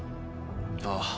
ああ。